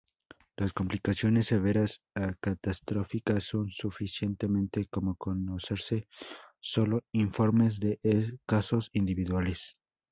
Las complicaciones severas a catastróficas son suficientemente como conocerse solo informes de casos individuales.